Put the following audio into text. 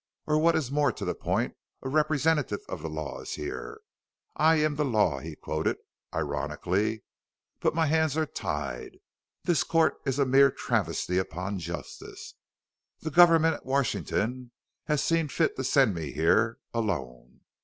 Or what is more to the point, a representative of the Law is here. 'I am the Law,'" he quoted, ironically. "But my hands are tied; this court is a mere travesty upon justice. The government at Washington has seen fit to send me here alone.